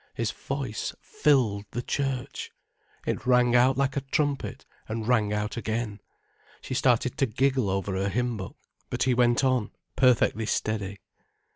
His voice filled the church! It rang out like a trumpet, and rang out again. She started to giggle over her hymn book. But he went on, perfectly steady.